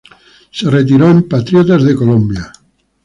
Se retiró en Patriotas de Colombia.